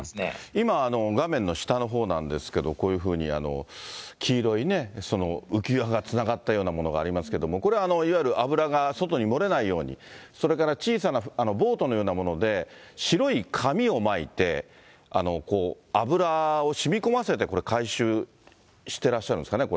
今、画面の下のほうなんですけど、こういうふうに黄色いね、浮き輪がつながったようなものがありますけれども、これ、いわゆる油が外に漏れないように、それから小さなボートのようなもので、白い紙を巻いて、油をしみこませて回収してらっしゃるんですかね。